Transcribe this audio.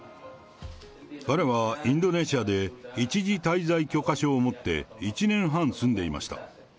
彼はインドネシアで一時滞在許可証を持って、１年半住んでいました。